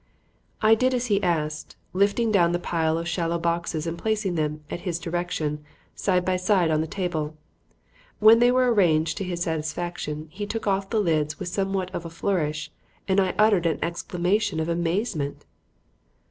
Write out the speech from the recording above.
I did as he asked; lifting down the pile of shallow boxes and placing them, at his direction, side by side on the table. When they were arranged to his satisfaction, he took off the lids with somewhat of a flourish, and I uttered an exclamation of amazement.